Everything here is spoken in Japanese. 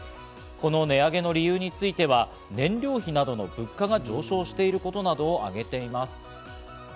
値上げの理由については燃料費などの物価が上昇していることなどをあげています。